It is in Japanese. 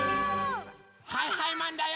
はいはいマンだよ！